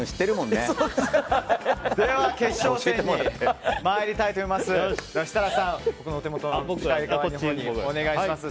では決勝戦に参りたいと思います。